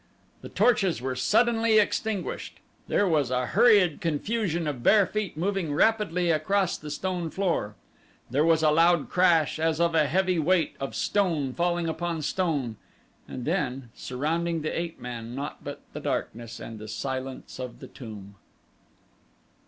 The torches were suddenly extinguished. There was a hurried confusion of bare feet moving rapidly across the stone floor. There was a loud crash as of a heavy weight of stone falling upon stone, and then surrounding the ape man naught but the darkness and the silence of the tomb.